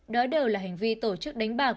đó đều là hành vi tổ chức đánh bạc